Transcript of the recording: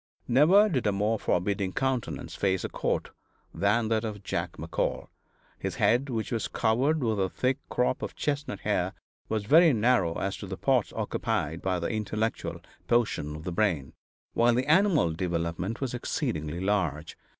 Never did a more forbidding countenance face a court than that of Jack McCall; his head, which was covered with a thick crop of chestnut hair, was very narrow as to the parts occupied by the intellectual portion of the brain, while the animal development was exceedingly large.